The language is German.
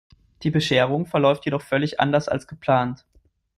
Die Bescherung verläuft jedoch völlig anders als geplant.